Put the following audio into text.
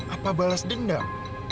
apa balas dendam